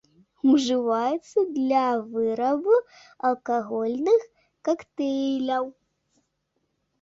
Ужываецца для вырабу алкагольных кактэйляў.